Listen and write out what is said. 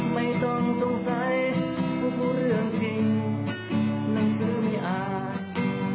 ไม่ต้องสงสัยทุกเรื่องจริงหนังสือไม่อ่าน